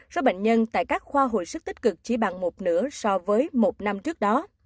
số bệnh nhân tại các khoa hồi sức tích cực chỉ bằng một nửa so với một năm trước đó